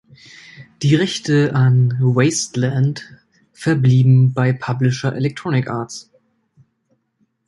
Die Rechte an "Wasteland" verblieben bei Publisher Electronic Arts.